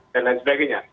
dan lain sebagainya